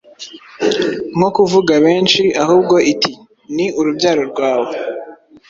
nko kuvuga benshi, ahubwo iti, “Ni urubyaro rwawe”,